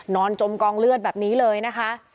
จมกองเลือดแบบนี้เลยนะคะ